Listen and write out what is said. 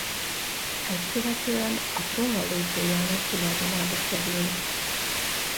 Ezt követően a trónra lépő János tulajdonába kerül.